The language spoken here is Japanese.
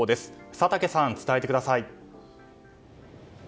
佐竹さん、伝えてください。